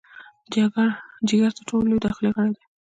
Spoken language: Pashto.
جګر تر ټولو لوی داخلي غړی دی.